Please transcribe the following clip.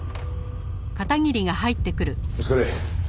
お疲れ。